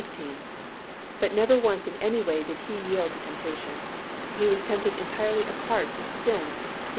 15), but never once in any way did He yield to temptation. He was tempted entirely apart from sin (Heb.